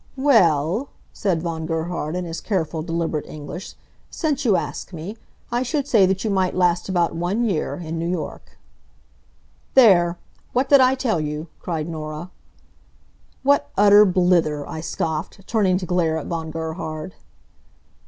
"Well," said Von Gerhard, in his careful, deliberate English, "since you ask me, I should say that you might last about one year, in New York." "There! What did I tell you!" cried Norah. "What utter blither!" I scoffed, turning to glare at Von Gerhard.